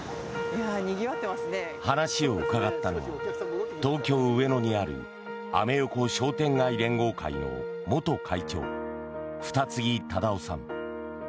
話を伺ったのは東京・上野にあるアメ横商店街連合会の元会長・二木忠男さん。